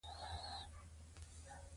دوی اوبه نیولې وې.